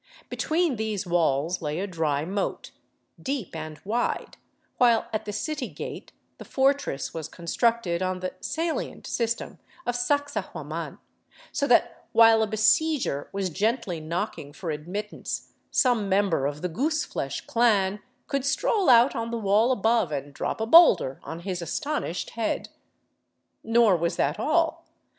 Between these walls lay a dry moat, deep and wide, while at the city gate the fortress was constructed on the " salient " system of Sacsahuaman, so that while a besieger was gently knocking for admittance some member of the goose flesh clan could stroll out on the wall above and drop a boulder on his astonished head. Nor was that all.